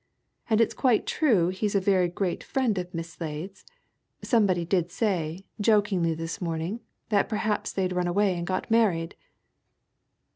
And it's quite true he's a very great friend of Miss Slade's somebody did say, jokingly, this morning, that perhaps they'd run away and got married."